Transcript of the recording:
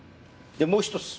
でもう一つ。